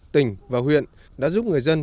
tỉnh và huyện đã giúp người dân